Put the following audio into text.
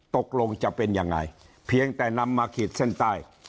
ตกลงจะเป็นยังไงเพียงแต่นำมาขีดเส้นใต้